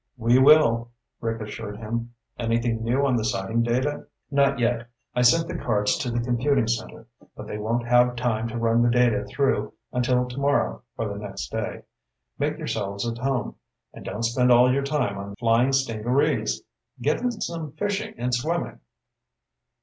"We will," Rick assured him. "Anything new on the sighting data?" "Not yet. I sent the cards to the computing center, but they won't have time to run the data through until tomorrow or the next day. Make yourselves at home, and don't spend all your time on flying stingarees. Get in some fishing and swimming."